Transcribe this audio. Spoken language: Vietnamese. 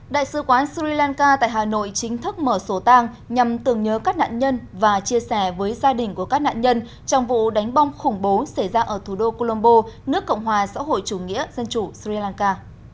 đại sứ quán sri lanka tại hà nội chính thức mở sổ tang nhằm tưởng nhớ các nạn nhân và chia sẻ với gia đình của các nạn nhân trong vụ đánh bom khủng bố xảy ra ở thủ đô colombo nước cộng hòa xã hội chủ nghĩa dân chủ sri lanka